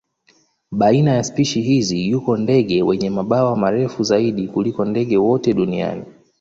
Baina ya spishi hizi yuko ndege wenye mabawa marefu kabisa kuliko ndege wote duniani.